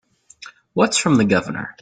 What's from the Governor?